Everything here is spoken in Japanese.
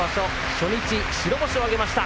初日白星を挙げました。